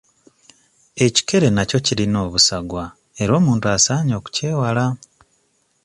Ekikere nakyo kirina obusagwa era omuntu asaanye okukyewala.